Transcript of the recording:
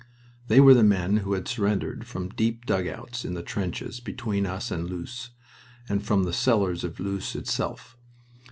They were the men who had surrendered from deep dugouts in the trenches between us and Loos and from the cellars of Loos itself.